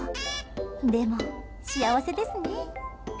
でも、幸せですね！